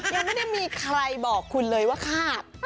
ยังไม่ได้มีใครบอกคุณเลยว่าคาบ